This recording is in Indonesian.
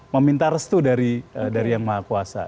meminta restu dari yang maha kuasa